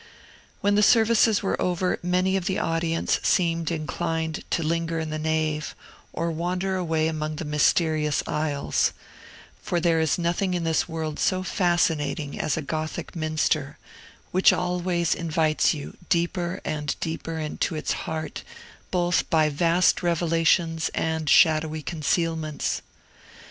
When the services were over, many of the audience seemed inclined to linger in the nave or wander away among the mysterious aisles; for there is nothing in this world so fascinating as a Gothic minster, which always invites you deeper and deeper into its heart both by vast revelations and shadowy concealments.